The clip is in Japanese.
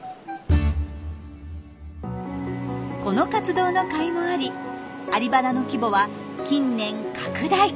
この活動のかいもありアリバダの規模は近年拡大。